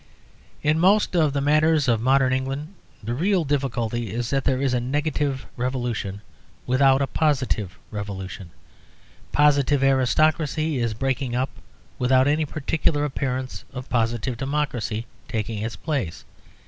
In most of the matters of modern England, the real difficulty is that there is a negative revolution without a positive revolution. Positive aristocracy is breaking up without any particular appearance of positive democracy taking its place.